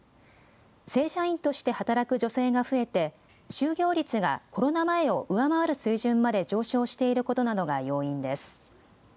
正社員として働く女性が増えて就業率がコロナ前を上回る水準まで上昇していることなどが要因です。